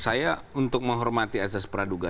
saya untuk menghormati asas praduga